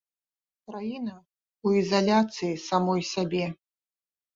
Краіна ў ізаляцыі самой сябе.